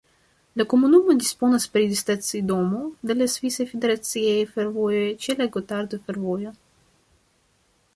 La komunumo disponas pri stacidomo de la Svisaj Federaciaj Fervojoj ĉe la Gotardo-Fervojo.